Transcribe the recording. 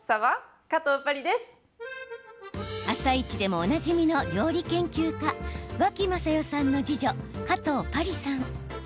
「あさイチ」でもおなじみの料理研究家、脇雅世さんの次女加藤巴里さん。